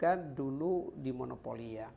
kan dulu di monopoli ya